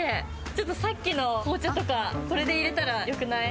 ちょっとさっきのお茶とかこれで入れたらよくない？